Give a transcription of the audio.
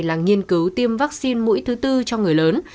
là nghiên cứu tiêm vaccine mũi thứ tư cho người lớn